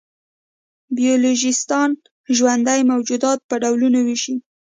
بایولوژېسټان ژوندي موجودات په ډولونو وېشي.